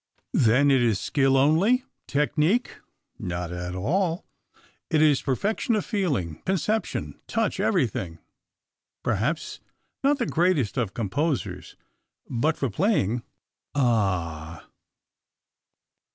"Then it is skill only, technique?" "Not at all; it is perfection of feeling, conception, touch, everything. Perhaps not the greatest of composers. But for playing ah!"